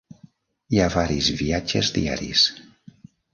Hi ha varis viatges diaris.